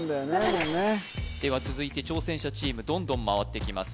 もうねでは続いて挑戦者チームどんどん回ってきます